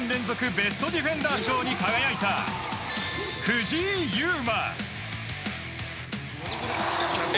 ベストディフェンダー賞に輝いた藤井祐眞。